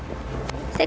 có ý đồ đưa đi